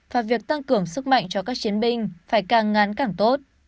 và việc tăng cường sức mạnh cho các chiến binh phải càng ngắn càng tốt